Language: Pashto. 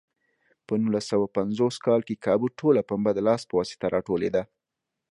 په نولس سوه پنځوس کال کې کابو ټوله پنبه د لاس په واسطه راټولېده.